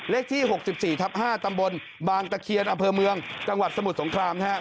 เลขที่๖๔ทับ๕ตำบลบางตะเคียนอำเภอเมืองจังหวัดสมุทรสงครามนะครับ